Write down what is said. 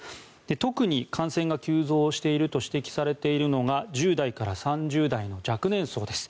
特に感染が急増していると指摘されているのが１０代から３０代の若年層です。